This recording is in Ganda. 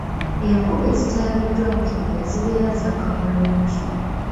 Enku ezityabiddwa mu kibira zibeera zaaka bulungi.